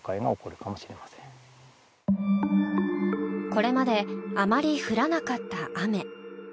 これまであまり降らなかった雨。